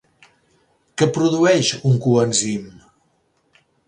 Què produeix un coenzim?